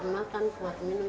kuat makan kuat minum